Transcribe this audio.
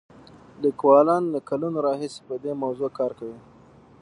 لیکوالان له کلونو راهیسې په دې موضوع کار کوي.